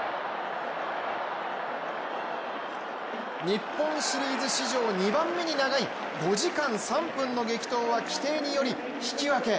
日本シリーズ史上２番目に長い５時間３分の激闘は規定により引き分け。